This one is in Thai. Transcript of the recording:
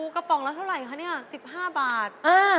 กระป๋องละเท่าไหร่คะเนี่ย๑๕บาท